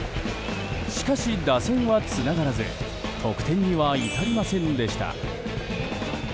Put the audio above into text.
しかし、打線はつながらず得点には至りませんでした。